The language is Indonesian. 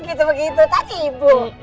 gitu gitu tadi ibu